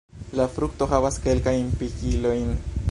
La frukto havas kelkajn pikilojn.